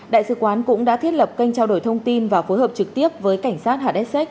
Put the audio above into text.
đại sứ quán cũng đã thiết lập kênh trao đổi thông tin và phối hợp trực tiếp với cảnh sát hadessak